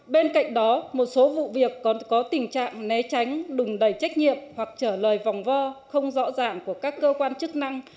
bên cạnh đó một số vụ việc còn có tình trạng né tránh đùng đầy trách nhiệm hoặc trả lời vòng vo không rõ ràng của các cơ quan chức năng